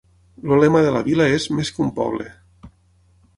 El lema de la vila és "Més que un poble".